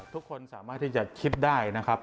ทุกคนสามารถที่จะคิดได้นะครับ